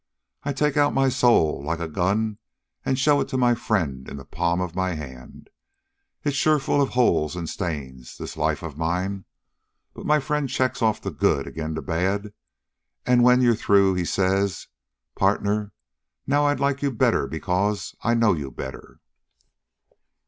I take out my soul like a gun and show it to my friend in the palm of my hand. It's sure full of holes and stains, this life of mine, but my friend checks off the good agin' the bad, and when you're through he says: 'Partner, now I like you better because I know you better.'